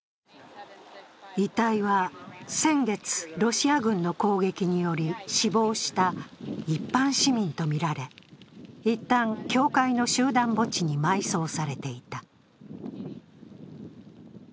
遺体は先月、ロシア軍の攻撃により死亡した一般市民とみられ一旦、教会の集団墓地に埋葬されていた。